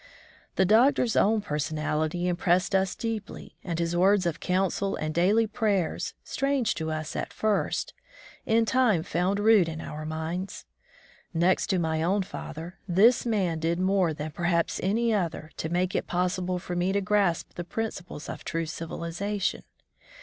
The Doctor's own personality impressed us deeply, and his words of coimsel and daily prayers, strange to us at first, in time found root in our minds. Next to my own father, this man did more than perhaps any other to make it possible for me to grasp the principles of true civilization.